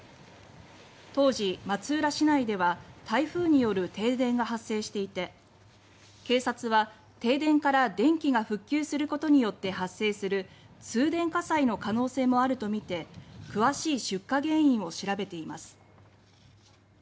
当時、松浦市内では台風による停電が発生していて警察は停電から電気が復旧することによって発生する「通電火災」の可能性もあるとみて詳しい出火原因を調べています。